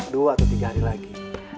dua atau tiga hari lagi